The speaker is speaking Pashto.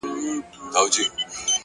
پرمختګ د ثابتو اصولو ملګری دی.